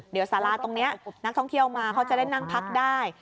เดี๋ยวสาราตรงนี้นักท่องเที่ยวมาเขาจะได้นั่งพักได้